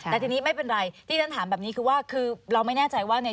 แต่ทีนี้ไม่เป็นไรที่ฉันถามแบบนี้คือว่า